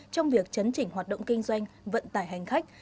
trong việc chấn chỉnh hoạt động kinh doanh vận tải hành khách